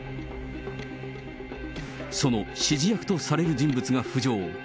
その指示役とされる人物が浮上。